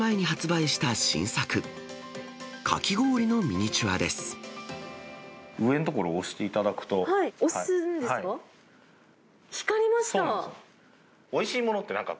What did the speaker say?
上の所を押していただくと。押すんですか？